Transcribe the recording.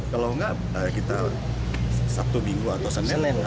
kalau enggak kita sabtu minggu atau senin